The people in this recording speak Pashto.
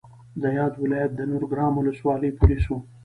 د یاد ولایت د نورګرام ولسوالۍ پولیسو